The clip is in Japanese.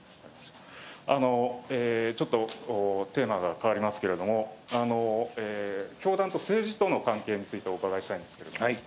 ちょっとテーマが変わりますけれども、教団と政治との関係について、お伺いしたいんですけれども。